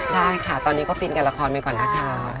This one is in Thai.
ได้ค่ะตอนนี้ก็ฟินกับละครไปก่อนนะคะ